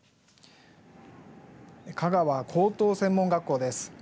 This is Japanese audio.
香川高等専門学校です。